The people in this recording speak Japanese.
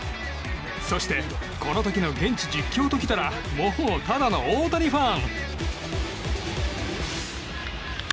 そして、この時の現地実況ときたらもうただの大谷ファン。